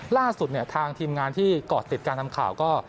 ล่าสุดทางทีมงานที่ก่อติดการทำข่าวก็